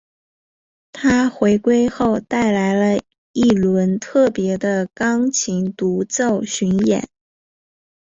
她回归后带来了一轮特别的钢琴独奏巡演。